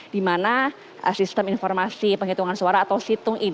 di mana sistem informasi penghitungan suara atau situm ini harus dilakukan